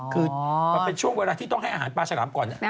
คือมันเป็นช่วงเวลาที่ต้องให้อาหารปลาฉลามก่อน